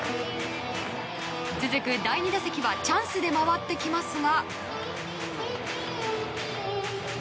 続く第２打席はチャンスで回ってきますが。